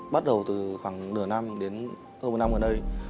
bắt đầu từ khoảng nửa năm đến hơn một năm gần đây